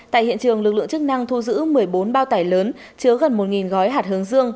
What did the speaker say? tại hiện trường lực lượng chức năng thu giữ một mươi bốn bao tải lớn chứa gần một gói hạt hướng dương